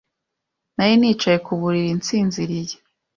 Nari nicaye ku buriri nsinziriye.